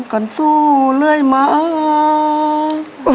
กันสู้เรื่อยมา